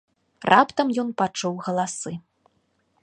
Раптам ён пачуў галасы.